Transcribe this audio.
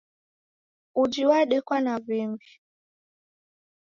Uji wadekwa wa wimbi